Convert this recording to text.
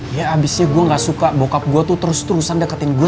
dia abisnya gue gak suka bokap gue tuh terus terusan deketin gue